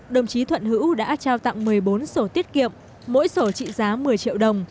đồng chí thuận hữu đã trao tặng một mươi bốn sổ tiết kiệm mỗi sổ trị giá một mươi triệu đồng